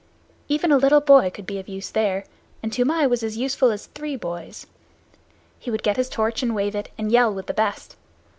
Even a little boy could be of use there, and Toomai was as useful as three boys. He would get his torch and wave it, and yell with the best.